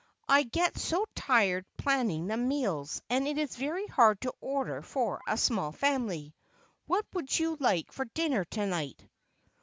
I get so tired planning the meals, and it's very hard to order for a small family. What would you like for dinner to night?"